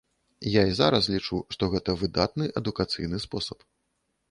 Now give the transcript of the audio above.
Я і зараз лічу, што гэта выдатны адукацыйны спосаб.